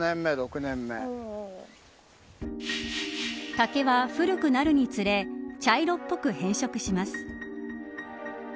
竹は古くなるにつれ茶色っぽく変色します。